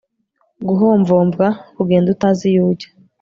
guhomvomvwa kugenda utazi iyo ujya